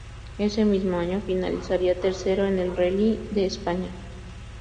Ese mismo año finalizaría tercero en el Rallye de España.